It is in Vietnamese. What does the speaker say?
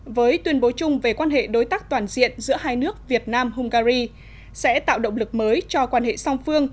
với tuyên bố chung về quan hệ đối tác toàn diện giữa hai nước việt nam hungary sẽ tạo động lực mới cho quan hệ song phương